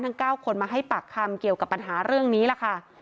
ทั้ง๙คนมาให้ปากคำเกี่ยวกับปัญหาเรื่องนี้ล่ะค่ะ